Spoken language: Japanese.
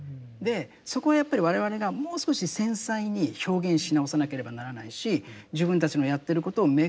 そこはやっぱり我々がもう少し繊細に表現し直さなければならないし自分たちのやってることを明確に語っていく。